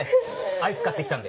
アイス買ってきたんで。